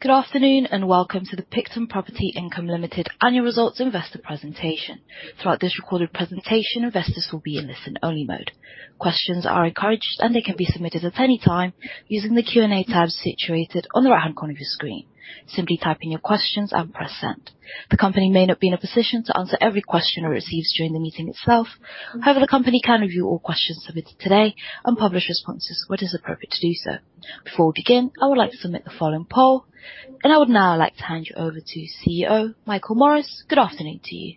Good afternoon, and welcome to the Picton Property Income Limited Annual Results Investor Presentation. Throughout this recorded presentation, investors will be in listen-only mode. Questions are encouraged, and they can be submitted at any time using the Q&A tab situated on the right-hand corner of your screen. Simply type in your questions and press Send. The company may not be in a position to answer every question it receives during the meeting itself. However, the company can review all questions submitted today and publish responses where it is appropriate to do so. Before we begin, I would like to submit the following poll, and I would now like to hand you over to CEO, Michael Morris. Good afternoon to you.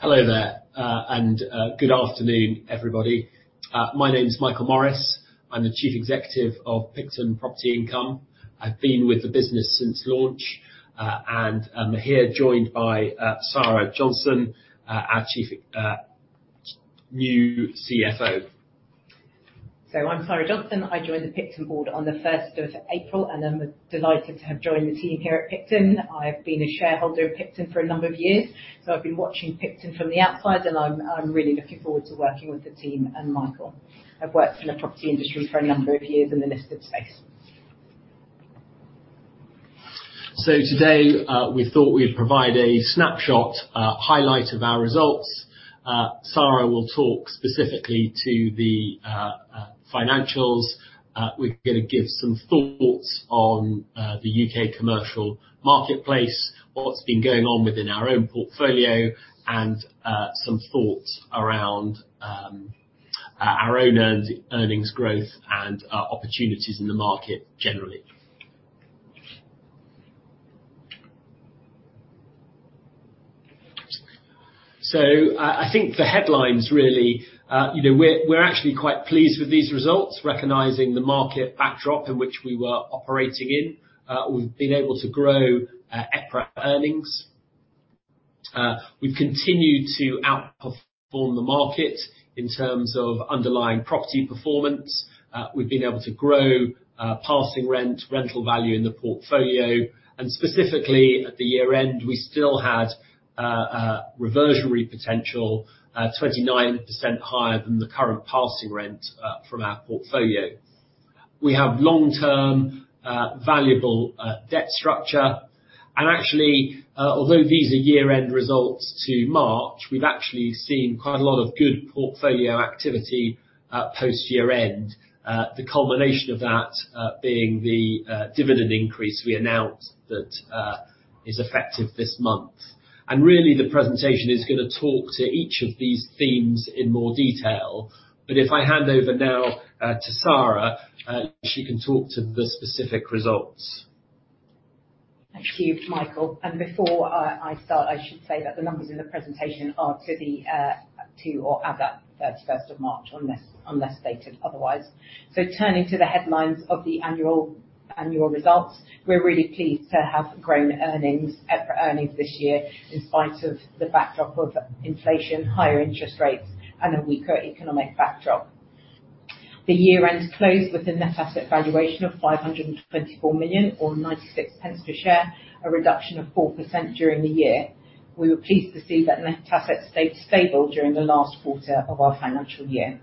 Hello there, and good afternoon, everybody. My name is Michael Morris. I'm the Chief Executive of Picton Property Income. I've been with the business since launch, and I'm here joined by Saira Johnston, our Chief, new CFO. So I'm Saira Johnston. I joined the Picton board on the first of April, and I'm delighted to have joined the team here at Picton. I've been a shareholder of Picton for a number of years, so I've been watching Picton from the outside, and I'm really looking forward to working with the team and Michael. I've worked in the property industry for a number of years in the listed space. So today, we thought we'd provide a snapshot highlight of our results. Saira will talk specifically to the financials. We're gonna give some thoughts on the UK commercial marketplace, what's been going on within our own portfolio, and some thoughts around our own earnings growth and opportunities in the market generally. So I think the headlines really, you know, we're actually quite pleased with these results, recognizing the market backdrop in which we were operating in. We've been able to grow EPRA earnings. We've continued to outperform the market in terms of underlying property performance. We've been able to grow passing rent, rental value in the portfolio, and specifically at the year-end, we still had reversionary potential 29% higher than the current passing rent from our portfolio. We have long-term valuable debt structure, and actually, although these are year-end results to March, we've actually seen quite a lot of good portfolio activity at post-year-end. The culmination of that being the dividend increase we announced that is effective this month. And really, the presentation is gonna talk to each of these themes in more detail. But if I hand over now to Saira, she can talk to the specific results. Thank you, Michael. Before I start, I should say that the numbers in the presentation are to the to or at the 31st of March, unless stated otherwise. Turning to the headlines of the annual results, we're really pleased to have grown earnings, EPRA earnings this year, in spite of the backdrop of inflation, higher interest rates, and a weaker economic backdrop. The year end closed with a net asset valuation of 524 million, or 96 pence per share, a 4% reduction during the year. We were pleased to see that net assets stayed stable during the last quarter of our financial year.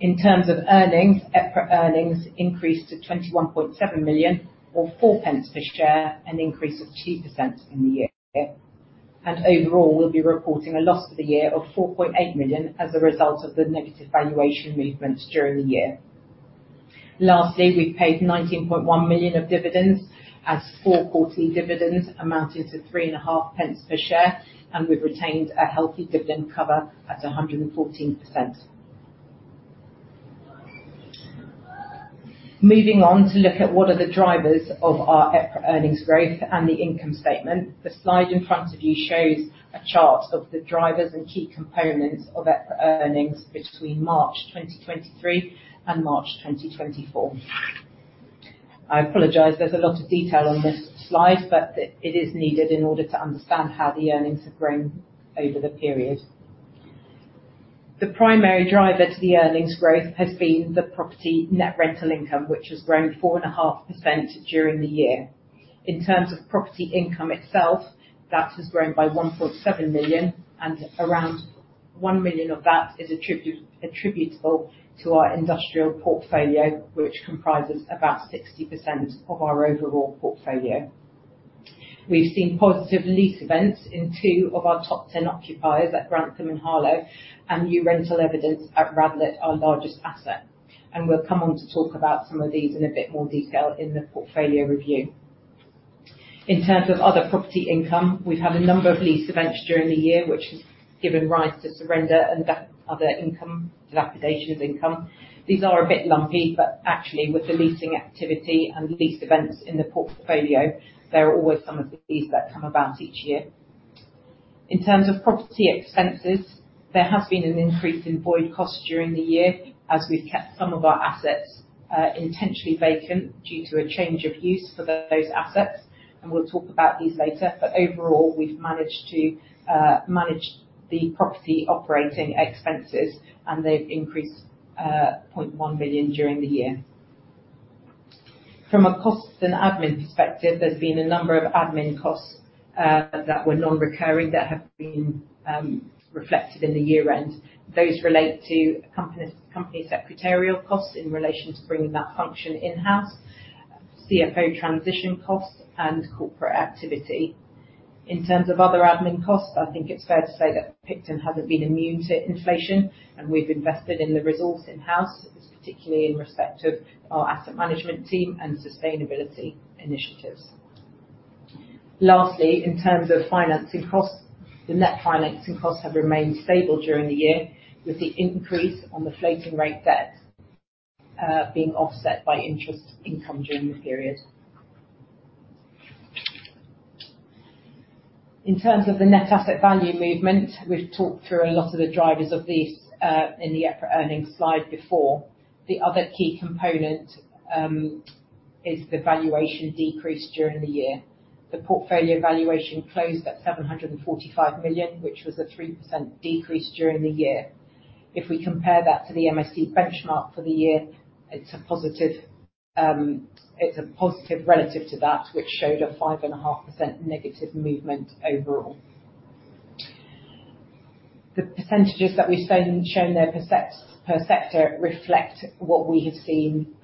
In terms of earnings, EPRA earnings increased to 21.7 million, or 4 pence per share, a 2% increase in the year. And overall, we'll be reporting a loss for the year of 4.8 million as a result of the negative valuation movements during the year. Lastly, we've paid 19.1 million of dividends, as 4 quarterly dividends amounting to 0.035 per share, and we've retained a healthy dividend cover at 114%. Moving on to look at what are the drivers of our EPRA earnings growth and the income statement, the slide in front of you shows a chart of the drivers and key components of EPRA earnings between March 2023 and March 2024. I apologize, there's a lot of detail on this slide, but it is needed in order to understand how the earnings have grown over the period. The primary driver to the earnings growth has been the property net rental income, which has grown 4.5% during the year. In terms of property income itself, that has grown by 1.7 million, and around 1 million of that is attributable to our industrial portfolio, which comprises about 60% of our overall portfolio. We've seen positive lease events in two of our top ten occupiers at Grantham and Harlow, and new rental evidence at Radlett, our largest asset. We'll come on to talk about some of these in a bit more detail in the portfolio review. In terms of other property income, we've had a number of lease events during the year, which has given rise to surrender and other income, dilapidations income. These are a bit lumpy, but actually, with the leasing activity and lease events in the portfolio, there are always some of these that come about each year. In terms of property expenses, there has been an increase in void costs during the year, as we've kept some of our assets intentionally vacant due to a change of use for those assets, and we'll talk about these later. But overall, we've managed to manage the property operating expenses, and they've increased 0.1 million during the year. From a costs and admin perspective, there's been a number of admin costs that were non-recurring that have been reflected in the year-end. Those relate to company secretarial costs in relation to bringing that function in-house, CFO transition costs, and corporate activity. In terms of other admin costs, I think it's fair to say that Picton hasn't been immune to inflation, and we've invested in the resource in-house, particularly in respect of our asset management team and sustainability initiatives. Lastly, in terms of financing costs, the net financing costs have remained stable during the year, with the increase on the floating rate debt being offset by interest income during the period. In terms of the net asset value movement, we've talked through a lot of the drivers of these in the EPRA earnings slide before. The other key component is the valuation decrease during the year. The portfolio valuation closed at 745 million, which was a 3% decrease during the year. If we compare that to the MSCI benchmark for the year, it's a positive, it's a positive relative to that, which showed a 5.5% negative movement overall. The percentages that we've shown there per sector reflect what we have seen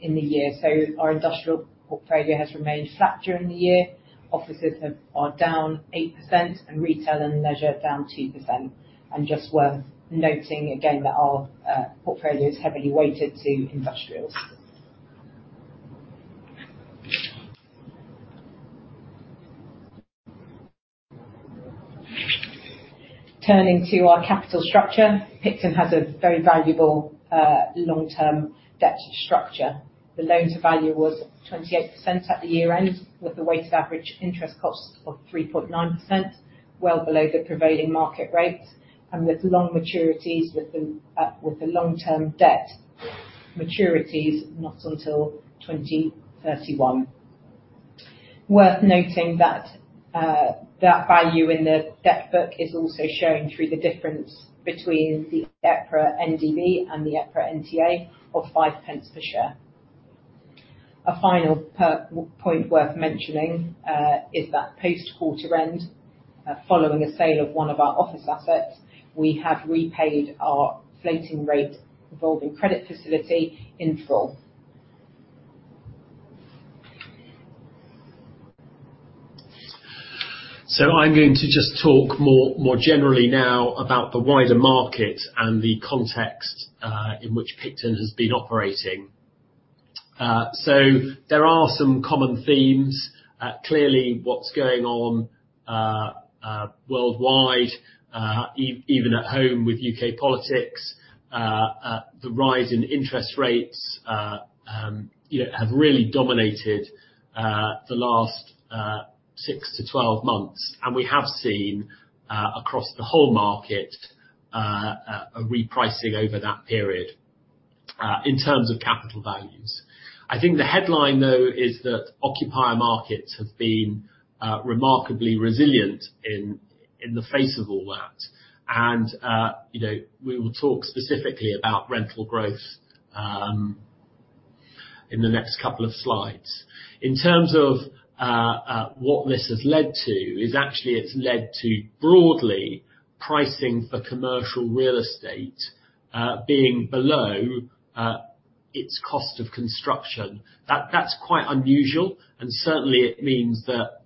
in the year. So our industrial portfolio has remained flat during the year. Offices are down 8%, and retail and leisure, down 2%. And just worth noting again, that our portfolio is heavily weighted to industrials. Turning to our capital structure, Picton has a very valuable long-term debt structure. The loan-to-value was 28% at the year-end, with a weighted average interest cost of 3.9%, well below the prevailing market rates, and with long maturities, with the long-term debt maturities not until 2031. Worth noting that, that value in the debt book is also shown through the difference between the EPRA NDV and the EPRA NTA of 0.05 per share. A final point worth mentioning is that post quarter end, following a sale of one of our office assets, we have repaid our floating rate revolving credit facility in full. So I'm going to just talk more, more generally now about the wider market and the context in which Picton has been operating. So there are some common themes. Clearly, what's going on worldwide, even at home with UK politics, the rise in interest rates, you know, have really dominated the last 6-12 months. And we have seen across the whole market a repricing over that period in terms of capital values. I think the headline, though, is that occupier markets have been remarkably resilient in the face of all that. And you know, we will talk specifically about rental growth in the next couple of slides. In terms of what this has led to, is actually it's led to broadly pricing for commercial real estate being below its cost of construction. That's quite unusual, and certainly it means that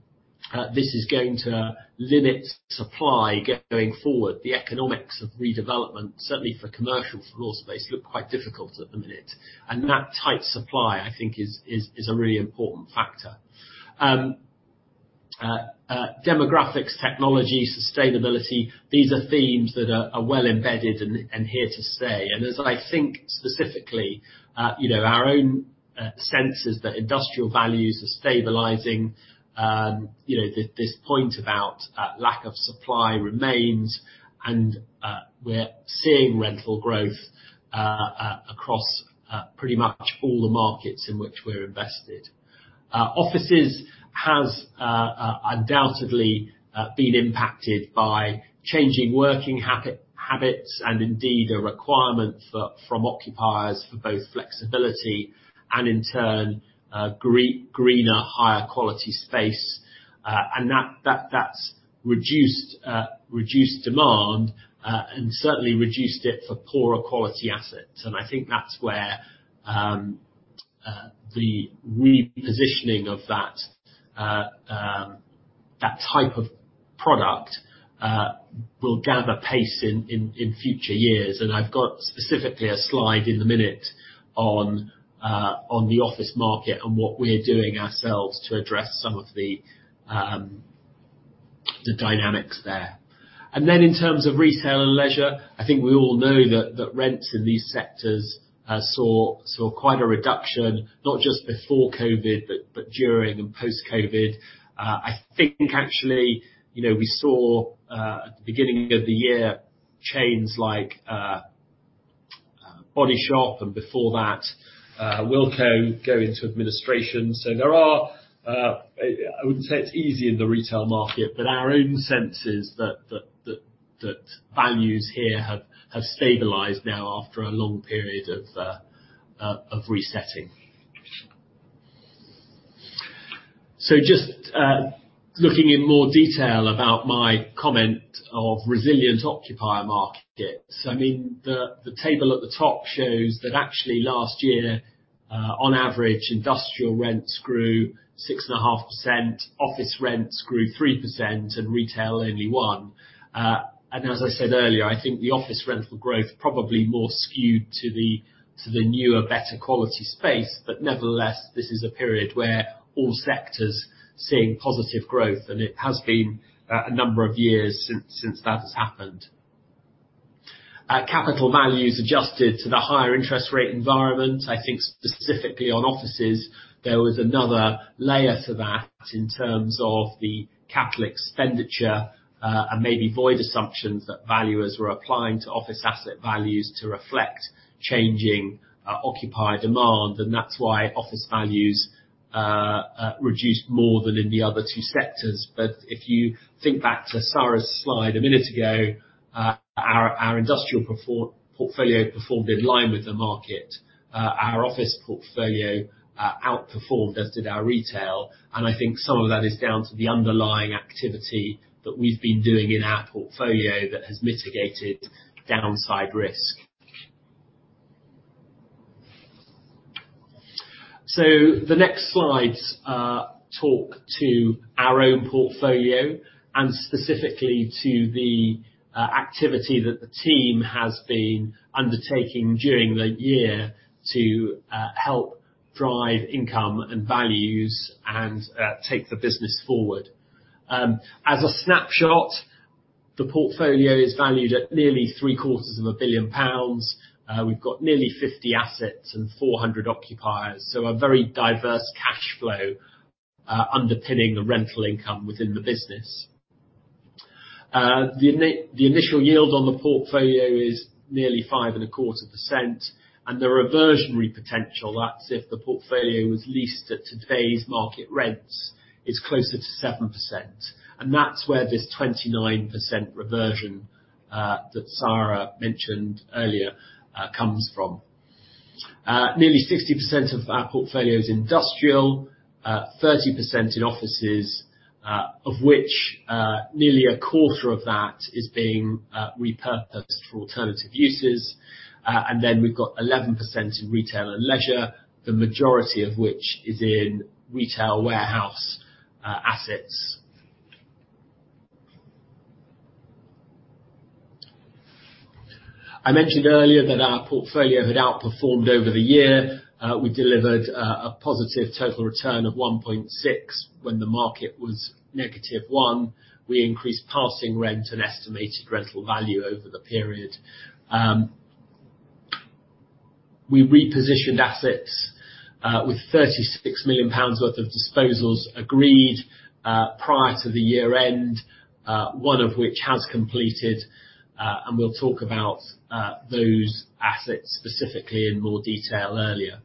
this is going to limit supply going forward. The economics of redevelopment, certainly for commercial floor space, look quite difficult at the minute. And that tight supply, I think, is a really important factor. Demographics, technology, sustainability, these are themes that are well embedded and here to stay. And as I think specifically, you know, our own sense is that industrial values are stabilizing. You know, this point about lack of supply remains, and we're seeing rental growth across pretty much all the markets in which we're invested. Offices has undoubtedly been impacted by changing working habits, and indeed, a requirement for, from occupiers for both flexibility and in turn, greener, higher quality space. And that, that's reduced reduced demand, and certainly reduced it for poorer quality assets. And I think that's where the repositioning of that that type of product will gather pace in future years. And I've got specifically a slide in a minute on the office market, and what we're doing ourselves to address some of the dynamics there. And then, in terms of retail and leisure, I think we all know that rents in these sectors saw quite a reduction, not just before COVID, but during and post-COVID. I think actually, you know, we saw at the beginning of the year, chains like Body Shop, and before that, Wilko go into administration. So there are... I wouldn't say it's easy in the retail market, but our own sense is that values here have stabilized now after a long period of resetting. So just looking in more detail about my comment of resilient occupier markets. I mean, the table at the top shows that actually last year, on average, industrial rents grew 6.5%, office rents grew 3%, and retail, only 1%. And as I said earlier, I think the office rental growth probably more skewed to the newer, better quality space. But nevertheless, this is a period where all sectors seeing positive growth, and it has been a number of years since that's happened. Capital values adjusted to the higher interest rate environment. I think specifically on offices, there was another layer to that in terms of the capital expenditure, and maybe void assumptions that valuers were applying to office asset values to reflect changing occupier demand, and that's why office values reduced more than in the other two sectors. But if you think back to Saira's slide a minute ago, our industrial portfolio performed in line with the market. Our office portfolio outperformed, as did our retail, and I think some of that is down to the underlying activity that we've been doing in our portfolio that has mitigated downside risk. The next slides talk to our own portfolio, and specifically, to the activity that the team has been undertaking during the year to help drive income and values and take the business forward. As a snapshot, the portfolio is valued at nearly 750 million pounds. We've got nearly 50 assets and 400 occupiers, so a very diverse cash flow underpinning the rental income within the business. The initial yield on the portfolio is nearly 5.25%, and the reversionary potential, that's if the portfolio was leased at today's market rents, is closer to 7%. That's where this 29% reversion that Saira mentioned earlier comes from. Nearly 60% of our portfolio is industrial, 30% in offices, of which nearly a quarter of that is being repurposed for alternative uses. Then we've got 11% in retail and leisure, the majority of which is in retail warehouse assets. I mentioned earlier that our portfolio had outperformed over the year. We delivered a positive total return of 1.6 when the market was -1. We increased passing rent and estimated rental value over the period. We repositioned assets with 36 million pounds worth of disposals agreed prior to the year end, one of which has completed, and we'll talk about those assets, specifically, in more detail earlier.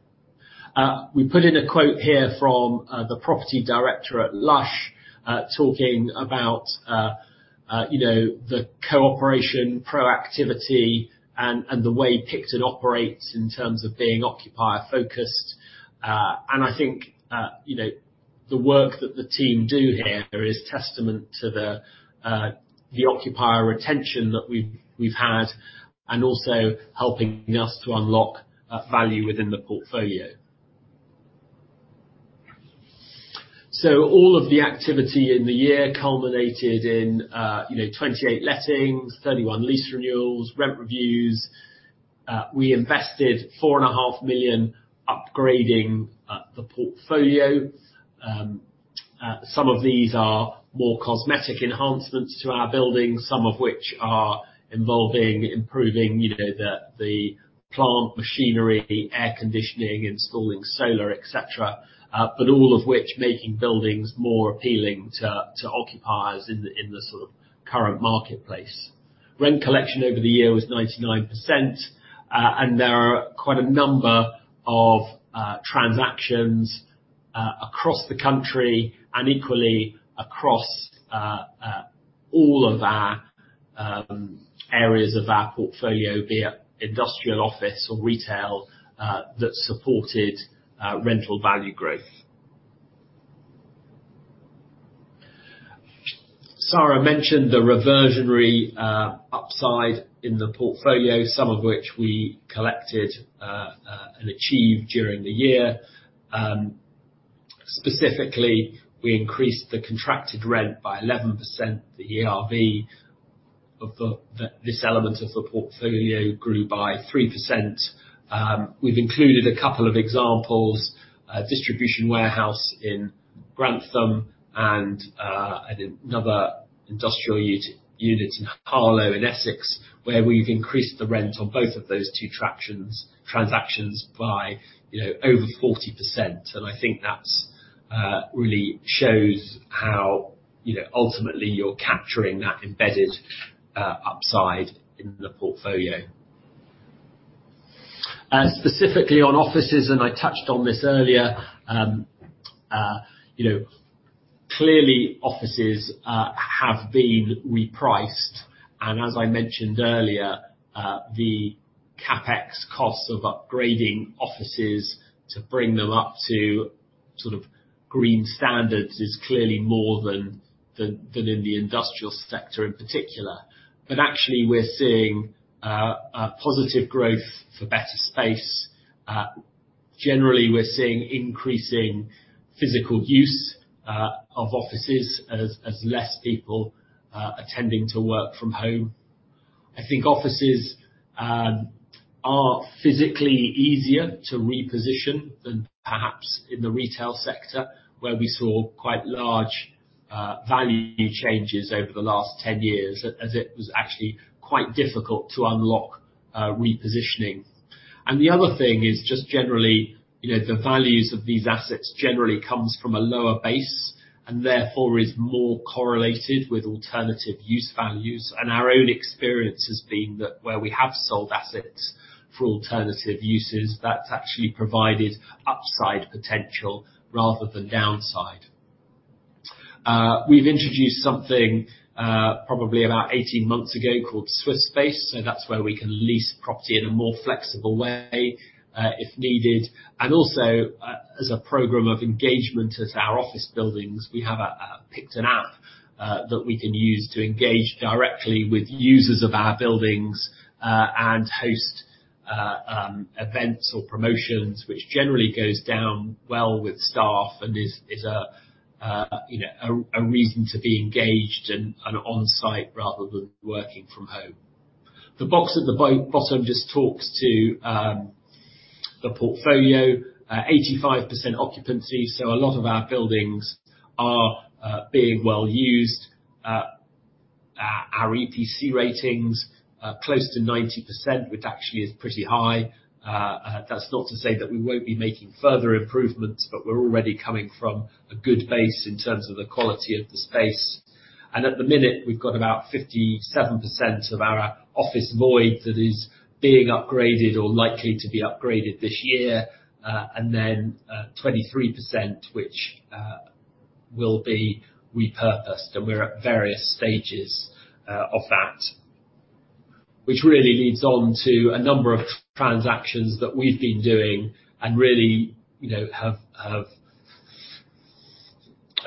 We put in a quote here from the property director at Lush, talking about you know, the cooperation, proactivity, and the way Picton operates in terms of being occupier-focused. And I think you know, the work that the team do here is testament to the the occupier retention that we've had, and also helping us to unlock value within the portfolio. So all of the activity in the year culminated in you know, 28 lettings, 31 lease renewals, rent reviews. We invested 4.5 million upgrading the portfolio. Some of these are more cosmetic enhancements to our buildings, some of which are involving improving, you know, the plant, machinery, air conditioning, installing solar, et cetera, but all of which, making buildings more appealing to occupiers in the sort of current marketplace. Rent collection over the year was 99%, and there are quite a number of transactions across the country, and equally, across all of our areas of our portfolio, be it industrial, office, or retail, that supported rental value growth. Saira mentioned the reversionary upside in the portfolio, some of which we collected and achieved during the year. Specifically, we increased the contracted rent by 11%, the ERV of this element of the portfolio grew by 3%. We've included a couple of examples, a distribution warehouse in Grantham and another industrial unit in Harlow, in Essex, where we've increased the rent on both of those two transactions by, you know, over 40%, and I think that's really shows how, you know, ultimately you're capturing that embedded upside in the portfolio. Specifically on offices, and I touched on this earlier, you know, clearly, offices have been repriced, and as I mentioned earlier, the CapEx costs of upgrading offices to bring them up to sort of green standards is clearly more than in the industrial sector in particular. But actually, we're seeing a positive growth for better space. Generally, we're seeing increasing physical use of offices as less people attending to work from home. I think offices are physically easier to reposition than perhaps in the retail sector, where we saw quite large value changes over the last 10 years, as it was actually quite difficult to unlock repositioning. And the other thing is just generally, you know, the values of these assets generally comes from a lower base, and therefore is more correlated with alternative use values. And our own experience has been that where we have sold assets for alternative uses, that's actually provided upside potential rather than downside. We've introduced something, probably about 18 months ago, called SwiftSpace, so that's where we can lease property in a more flexible way, if needed, and also, as a program of engagement as our office buildings, we have, Picton app, that we can use to engage directly with users of our buildings, and host, events or promotions, which generally goes down well with staff, and is a, you know, a reason to be engaged and on-site rather than working from home. The box at the bottom just talks to, the portfolio, 85% occupancy, so a lot of our buildings are, being well used. Our EPC ratings are close to 90%, which actually is pretty high. That's not to say that we won't be making further improvements, but we're already coming from a good base in terms of the quality of the space. And at the minute, we've got about 57% of our office void that is being upgraded or likely to be upgraded this year. And then, 23%, which will be repurposed, and we're at various stages of that. Which really leads on to a number of transactions that we've been doing, and really, you know, have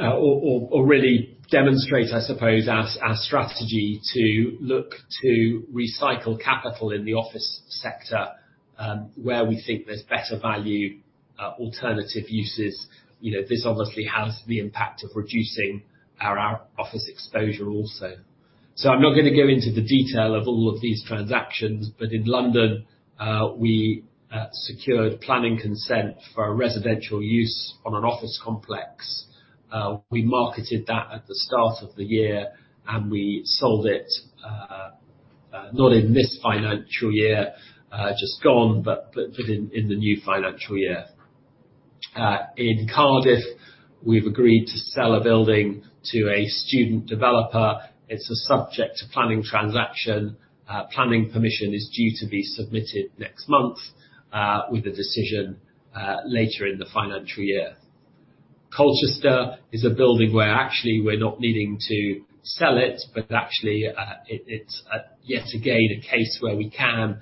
or really demonstrate, I suppose, our strategy to look to recycle capital in the office sector, where we think there's better value, alternative uses. You know, this obviously has the impact of reducing our office exposure also. So I'm not gonna go into the detail of all of these transactions, but in London, we secured planning consent for a residential use on an office complex. We marketed that at the start of the year, and we sold it, not in this financial year just gone, but in the new financial year. In Cardiff, we've agreed to sell a building to a student developer. It's a subject to planning transaction. Planning permission is due to be submitted next month, with a decision later in the financial year. Colchester is a building where actually we're not needing to sell it, but actually, it's yet again a case where we can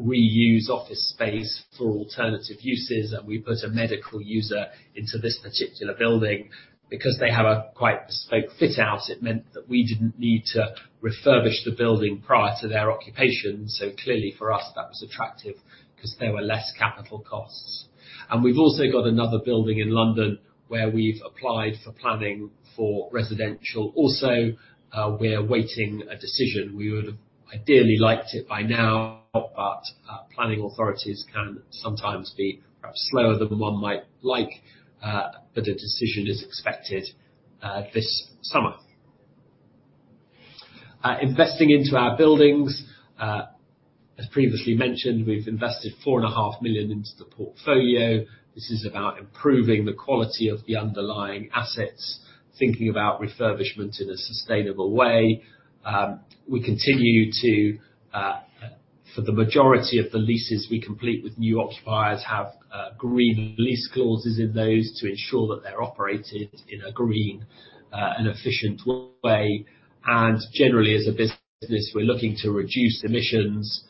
reuse office space for alternative uses, and we put a medical user into this particular building. Because they have a quite bespoke fit-out, it meant that we didn't need to refurbish the building prior to their occupation, so clearly for us, that was attractive, 'cause there were less capital costs. And we've also got another building in London, where we've applied for planning for residential also. We're awaiting a decision. We would've ideally liked it by now, but, planning authorities can sometimes be perhaps slower than one might like, but a decision is expected, this summer. Investing into our buildings, as previously mentioned, we've invested 4.5 million into the portfolio. This is about improving the quality of the underlying assets, thinking about refurbishment in a sustainable way. We continue to, for the majority of the leases we complete with new occupiers, have green lease clauses in those, to ensure that they're operated in a green and efficient way. And generally, as a business, we're looking to reduce emissions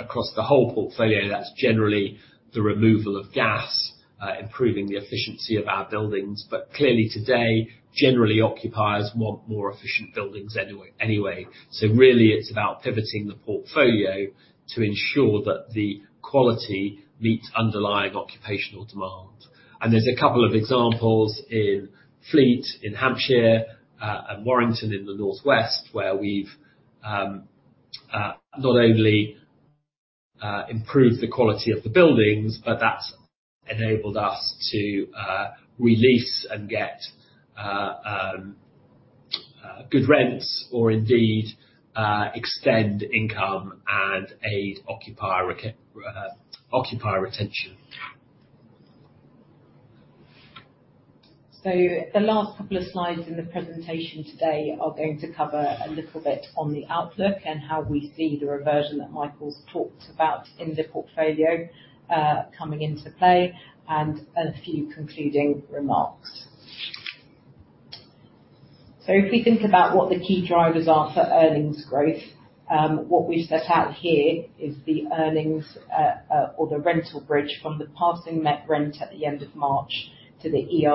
across the whole portfolio. That's generally the removal of gas, improving the efficiency of our buildings, but clearly today, generally, occupiers want more efficient buildings anyway, anyway. So really, it's about pivoting the portfolio to ensure that the quality meets underlying occupational demand. And there's a couple of examples in Fleet, in Hampshire, and Warrington in the Northwest, where we've not only improved the quality of the buildings, but that's enabled us to re-lease and get good rents, or indeed extend income and aid occupier retention. ... So the last couple of slides in the presentation today are going to cover a little bit on the outlook and how we see the reversion that Michael's talked about in the portfolio, coming into play, and a few concluding remarks. So if we think about what the key drivers are for earnings growth, what we've set out here is the earnings, or the rental bridge from the passing net rent at the end of March to the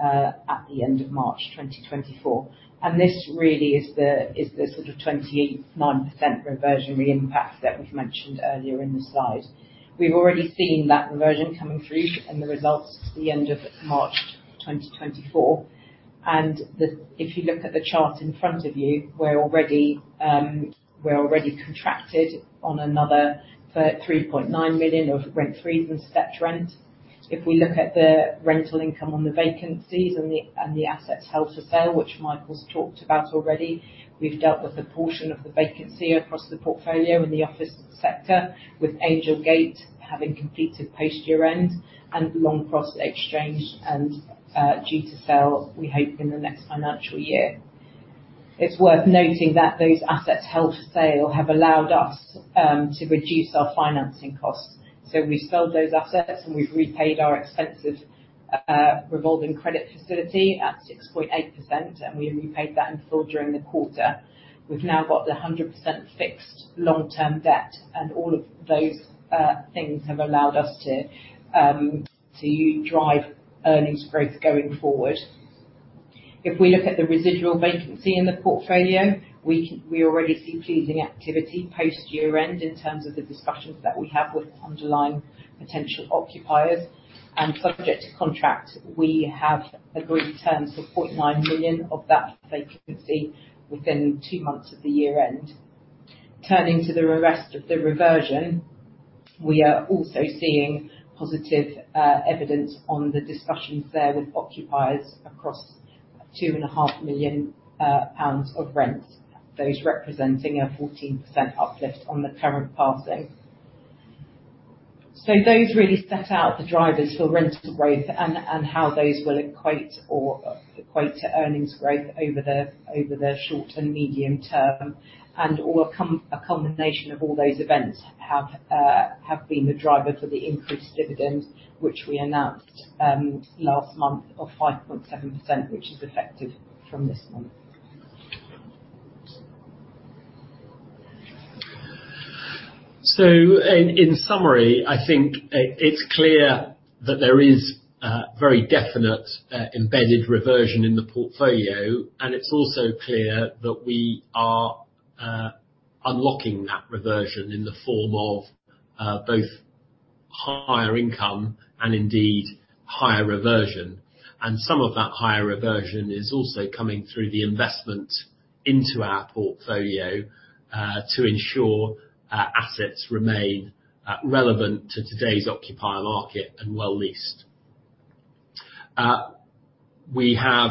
ERV, at the end of March 2024. And this really is the, is the sort of 28.9% reversionary impact that we've mentioned earlier in the slide. We've already seen that reversion coming through in the results at the end of March 2024, and if you look at the chart in front of you, we're already contracted on another 3.9 million of rent-frees and set rent. If we look at the rental income on the vacancies and the assets held for sale, which Michael's talked about already, we've dealt with a portion of the vacancy across the portfolio in the office sector, with Angel Gate having completed post-year-end and Longcross exchanged due to sell, we hope, in the next financial year. It's worth noting that those assets held for sale have allowed us to reduce our financing costs. So we sold those assets and we've repaid our expensive revolving credit facility at 6.8%, and we repaid that in full during the quarter. We've now got 100% fixed long-term debt, and all of those things have allowed us to drive earnings growth going forward. If we look at the residual vacancy in the portfolio, we already see pleasing activity post-year-end in terms of the discussions that we have with underlying potential occupiers, and subject to contract, we have agreed terms of 0.9 million of that vacancy within two months of the year end. Turning to the rest of the reversion, we are also seeing positive evidence on the discussions there with occupiers across 2.5 million pounds of rent, those representing a 14% uplift on the current passing. Those really set out the drivers for rental growth and how those will equate to earnings growth over the short and medium term, and a combination of all those events have been the driver for the increased dividend, which we announced last month, of 5.7%, which is effective from this month. So in summary, I think it's clear that there is a very definite embedded reversion in the portfolio, and it's also clear that we are unlocking that reversion in the form of both higher income and indeed higher reversion. Some of that higher reversion is also coming through the investment into our portfolio to ensure our assets remain relevant to today's occupier market and well leased. We have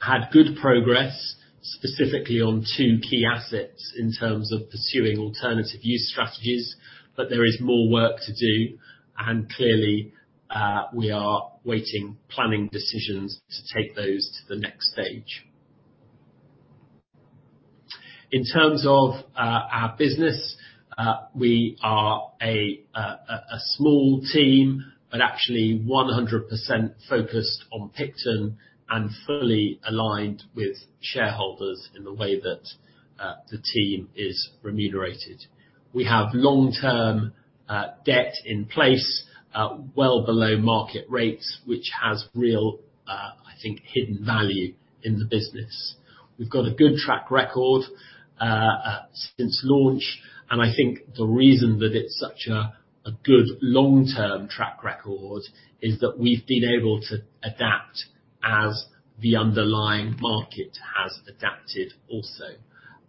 had good progress, specifically on two key assets, in terms of pursuing alternative use strategies, but there is more work to do, and clearly we are waiting planning decisions to take those to the next stage. In terms of our business, we are a small team, but actually 100% focused on Picton and fully aligned with shareholders in the way that the team is remunerated. We have long-term debt in place well below market rates, which has real, I think, hidden value in the business. We've got a good track record since launch, and I think the reason that it's such a good long-term track record is that we've been able to adapt as the underlying market has adapted also.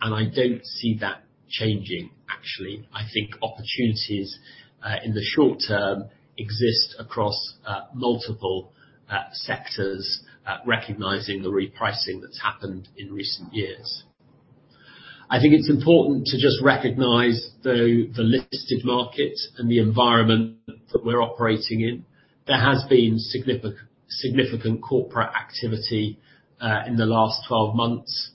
And I don't see that changing, actually. I think opportunities in the short term exist across multiple sectors, recognizing the repricing that's happened in recent years. I think it's important to just recognize, though, the listed market and the environment that we're operating in. There has been significant corporate activity in the last 12 months.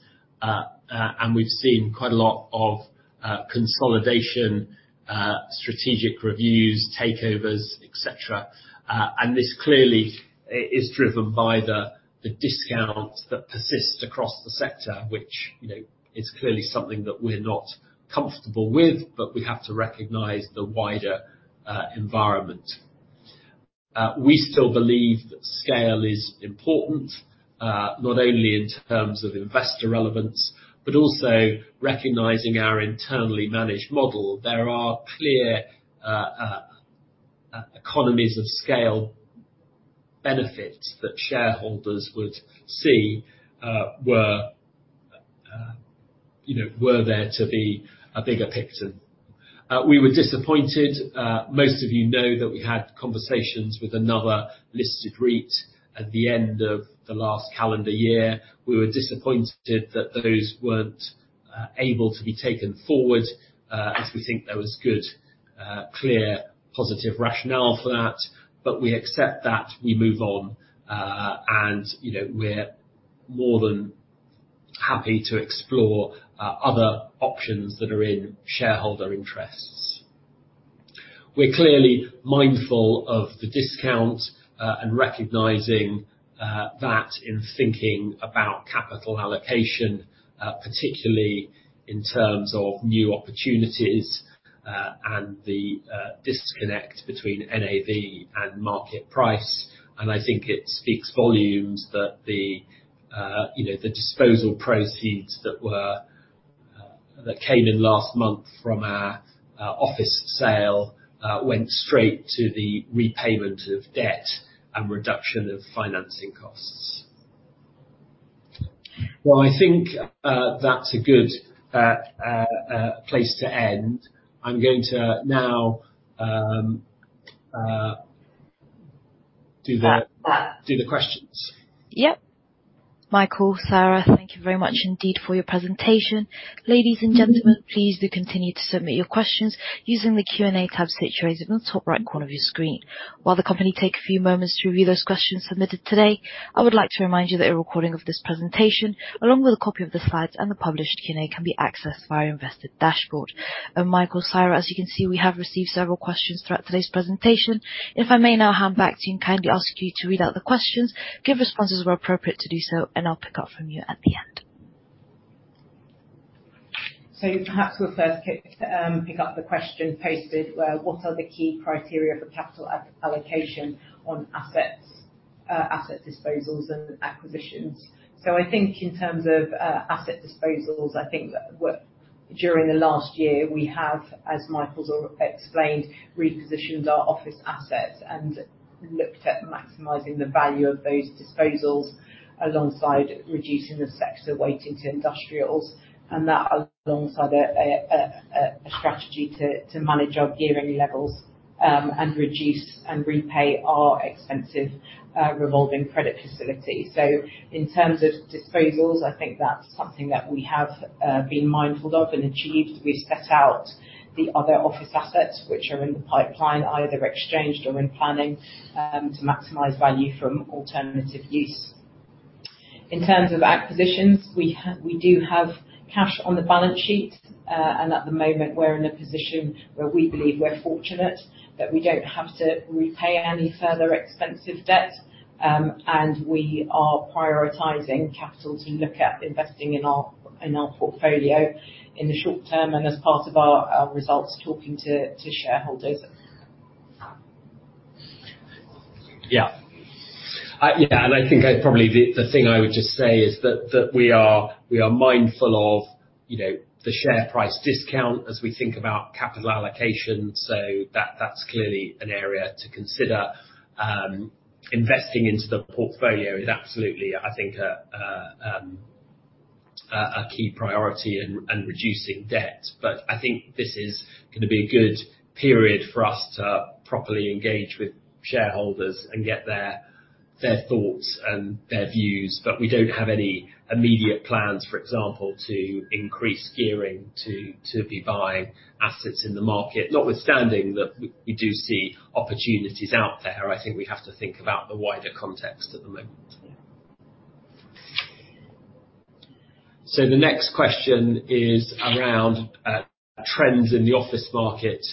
And we've seen quite a lot of consolidation, strategic reviews, takeovers, et cetera. And this clearly is driven by the discount that persists across the sector, which, you know, is clearly something that we're not comfortable with, but we have to recognize the wider environment. We still believe that scale is important, not only in terms of investor relevance, but also recognizing our internally managed model. There are clear economies of scale benefits that shareholders would see, were, you know, were there to be a bigger Picton. We were disappointed, most of you know that we had conversations with another listed REIT at the end of the last calendar year. We were disappointed that those weren't able to be taken forward, as we think there was good, clear, positive rationale for that. But we accept that, we move on. And, you know, we're more than happy to explore other options that are in shareholder interests. We're clearly mindful of the discount, and recognizing that in thinking about capital allocation, particularly in terms of new opportunities, and the disconnect between NAV and market price, and I think it speaks volumes that, you know, the disposal proceeds that came in last month from our office sale went straight to the repayment of debt and reduction of financing costs. Well, I think that's a good place to end. I'm going to now do the questions. Yep. Michael, Saira, thank you very much indeed for your presentation. Ladies and gentlemen, please do continue to submit your questions using the Q&A tab situated in the top right corner of your screen. While the company take a few moments to review those questions submitted today, I would like to remind you that a recording of this presentation, along with a copy of the slides and the published Q&A, can be accessed via Investor Dashboard. And Michael, Saira, as you can see, we have received several questions throughout today's presentation. If I may now hand back to you and kindly ask you to read out the questions, give responses where appropriate to do so, and I'll pick up from you at the end. So perhaps we'll first pick up the question posted: What are the key criteria for capital allocation on assets, asset disposals and acquisitions? So I think in terms of asset disposals, I think that during the last year, we have, as Michael's already explained, repositioned our office assets and looked at maximizing the value of those disposals, alongside reducing the sector weighting to industrials, and that alongside a strategy to manage our gearing levels, and reduce and repay our expensive revolving credit facility. So in terms of disposals, I think that's something that we have been mindful of and achieved. We've set out the other office assets which are in the pipeline, either exchanged or in planning, to maximize value from alternative use. In terms of acquisitions, we do have cash on the balance sheet, and at the moment, we're in a position where we believe we're fortunate, that we don't have to repay any further expensive debt. And we are prioritizing capital to look at investing in our, in our portfolio in the short term and as part of our, our results, talking to, to shareholders. Yeah. Yeah, and I think probably the thing I would just say is that we are mindful of, you know, the share price discount as we think about capital allocation, so that's clearly an area to consider. Investing into the portfolio is absolutely, I think, a key priority in reducing debt. But I think this is gonna be a good period for us to properly engage with shareholders and get their thoughts and their views. But we don't have any immediate plans, for example, to increase gearing, to be buying assets in the market. Notwithstanding that we do see opportunities out there, I think we have to think about the wider context at the moment. Yeah. So the next question is around trends in the office market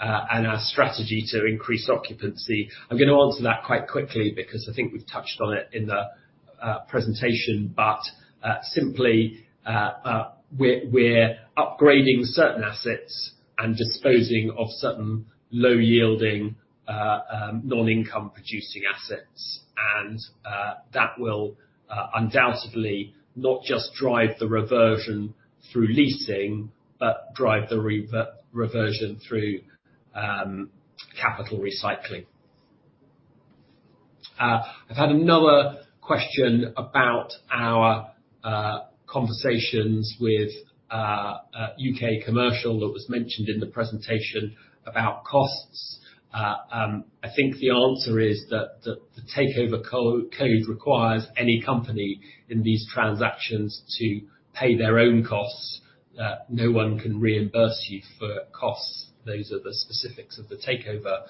and our strategy to increase occupancy. I'm gonna answer that quite quickly, because I think we've touched on it in the presentation, but simply, we're upgrading certain assets and disposing of certain low-yielding non-income producing assets. And that will undoubtedly not just drive the reversion through leasing, but drive the reversion through capital recycling. I've had another question about our conversations with UK Commercial, that was mentioned in the presentation, about costs. I think the answer is that the Takeover Code requires any company in these transactions to pay their own costs, no one can reimburse you for costs. Those are the specifics of the Takeover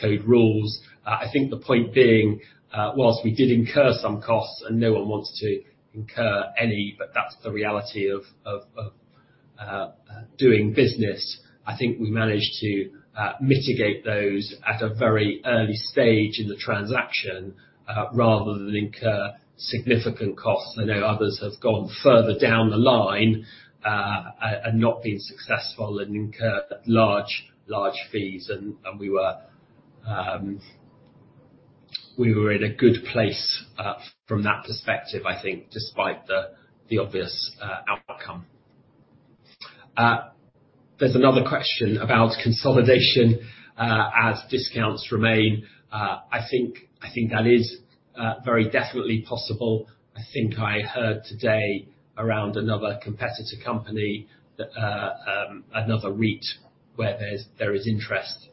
Code rules. I think the point being, while we did incur some costs, and no one wants to incur any, but that's the reality of doing business. I think we managed to mitigate those at a very early stage in the transaction, rather than incur significant costs. I know others have gone further down the line, and not been successful and incurred large, large fees. And we were, we were in a good place, from that perspective, I think, despite the obvious outcome. There's another question about consolidation, as discounts remain. I think that is very definitely possible. I think I heard today around another competitor company that, another REIT, where there's interest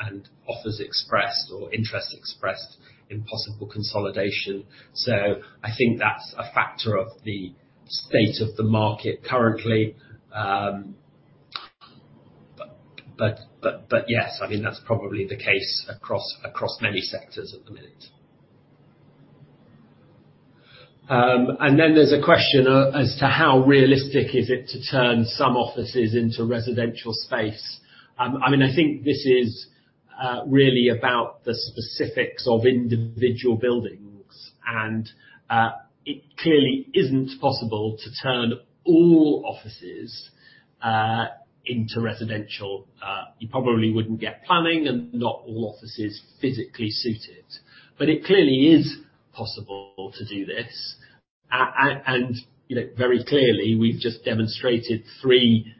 and offers expressed or interest expressed in possible consolidation. So I think that's a factor of the state of the market currently. But yes, I mean, that's probably the case across many sectors at the minute. And then there's a question as to how realistic is it to turn some offices into residential space? I mean, I think this is really about the specifics of individual buildings, and it clearly isn't possible to turn all offices into residential. You probably wouldn't get planning, and not all offices physically suit it. But it clearly is possible to do this. And you know, very clearly, we've just demonstrated three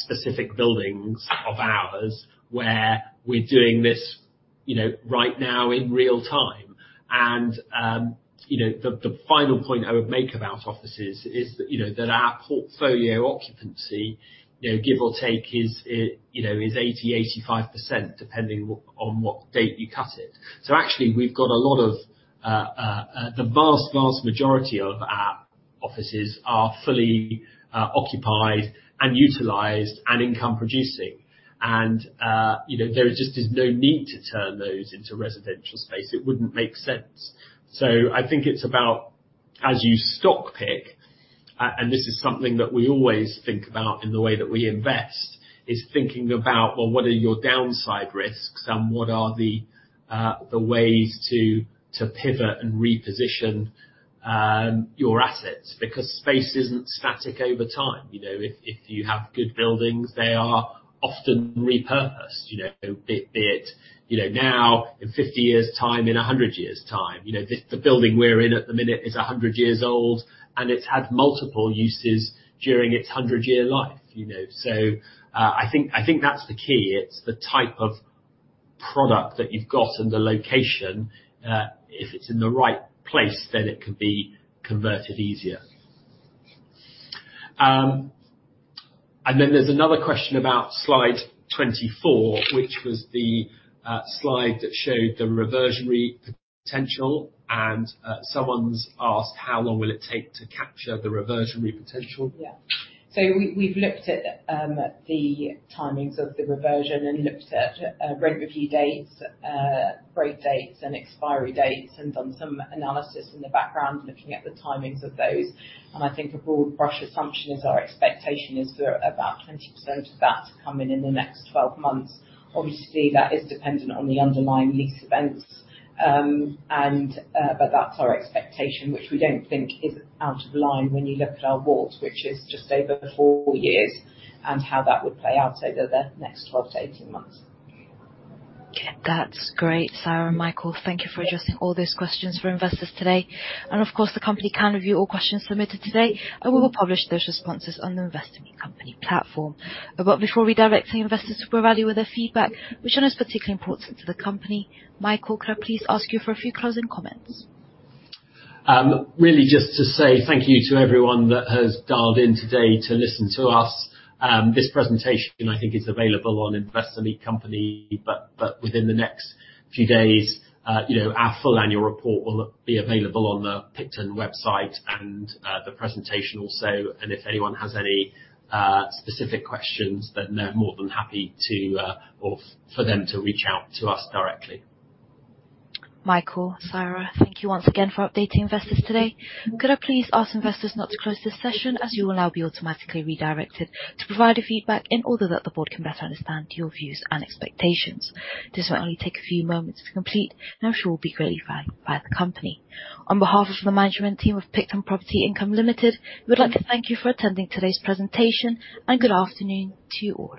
specific buildings of ours, where we're doing this, you know, right now, in real time. And, you know, the final point I would make about offices is that, you know, that our portfolio occupancy, you know, give or take, is, you know, is 80-85%, depending on what date you cut it. So actually, we've got a lot of, the vast, vast majority of our offices are fully occupied and utilized and income producing. And, you know, there just is no need to turn those into residential space. It wouldn't make sense. So I think it's about as you stock pick, and this is something that we always think about in the way that we invest, is thinking about, well, what are your downside risks? And what are the ways to pivot and reposition your assets? Because space isn't static over time. You know, if you have good buildings, they are often repurposed, you know, be it, you know, now, in 50 years' time, in 100 years' time. You know, this, the building we're in at the minute is 100 years old, and it's had multiple uses during its 100-year life, you know? So, I think, I think that's the key. It's the type of product that you've got and the location. If it's in the right place, then it can be converted easier. And then there's another question about slide 24, which was the slide that showed the reversionary potential. Someone's asked: How long will it take to capture the reversionary potential? Yeah. So we, we've looked at the timings of the reversion and looked at rent review dates, break dates, and expiry dates, and done some analysis in the background, looking at the timings of those. And I think a broad brush assumption is our expectation is for about 20% of that to come in in the next 12 months. Obviously, that is dependent on the underlying lease events. And, but that's our expectation, which we don't think is out of line when you look at our vault, which is just over four years, and how that would play out over the next 12 to 18 months. That's great, Saira and Michael. Thank you for addressing all those questions for investors today. Of course, the company can review all questions submitted today, and we will publish those responses on the Investor Meet Company platform. But before we direct any investors to provide with their feedback, which is particularly important to the company, Michael, could I please ask you for a few closing comments? Really, just to say thank you to everyone that has dialed in today to listen to us. This presentation, I think, is available on Investor Meet Company, but within the next few days, you know, our full annual report will be available on the Picton website and the presentation also. If anyone has any specific questions, then they're more than happy for them to reach out to us directly. Michael, Saira, thank you once again for updating investors today. Could I please ask investors not to close this session, as you will now be automatically redirected to provide your feedback in order that the board can better understand your views and expectations? This will only take a few moments to complete and I'm sure will be greatly valued by the company. On behalf of the management team of Picton Property Income Limited, we would like to thank you for attending today's presentation, and good afternoon to you all.